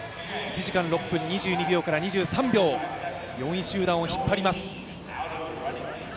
１時間６分２３秒から２４秒、４位集団を引っ張ります。